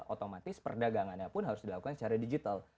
otomatis perdagangannya pun harus dilakukan secara digital